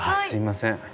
すいません。